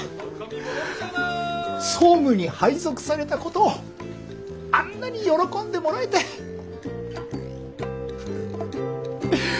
総務に配属されたことをあんなに喜んでもらえてよかった。